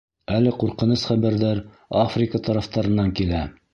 Әле ҡурҡыныс хәбәрҙәр Африка тарафтарынан килә.